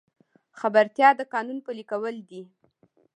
خبرتیا د قانون پلي کول دي